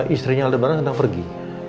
istrinya aldebaran sedang pergi